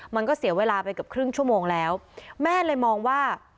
มันก็เสียเวลาไปเกือบครึ่งชั่วโมงแล้วแม่เลยมองว่า